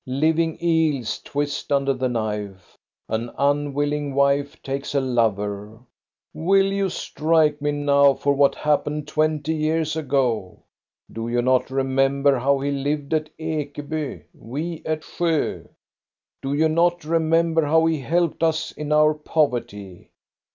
"Living eels twist under the knife; an unwilling wife takes a lover. Will you strike me now for what happened twenty years ago.? Do you not re member how he lived at Ekeby, we at Sjo.? Do you not remember how he helped us in our poverty.?